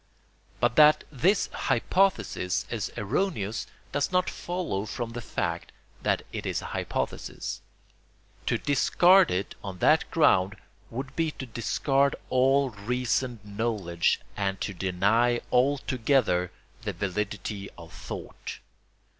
But that this hypothesis is erroneous does not follow from the fact that it is a hypothesis. To discard it on that ground would be to discard all reasoned knowledge and to deny altogether the validity of thought.